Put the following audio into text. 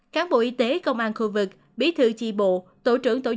cán bộ y tế công an khu vực bí thư chi bộ tổ trưởng tổ dân